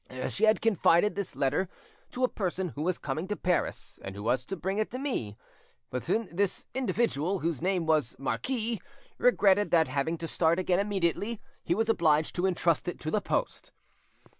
She had confided this letter to a person who was coming to Paris, and who was to bring it me; but this individual, whose name was Marquis, regretted that having to start again immediately, he was obliged to entrust it to the post.